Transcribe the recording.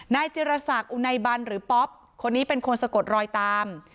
นายจิรษักอุไนบันหรือป๊อปคนนี้เป็นคนสะกดรอยตาม